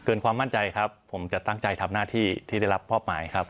ความมั่นใจครับผมจะตั้งใจทำหน้าที่ที่ได้รับมอบหมายครับ